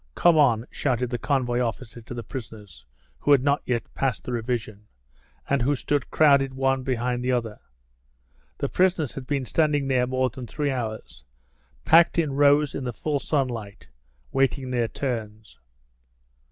Come on," shouted the convoy officer to the prisoners who had not yet passed the revision, and who stood crowded one behind the other. The prisoners had been standing there more than three hours, packed in rows in the full sunlight, waiting their turns.